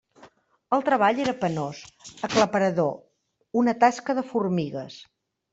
El treball era penós, aclaparador; una tasca de formigues.